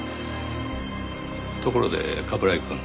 ところで冠城くん。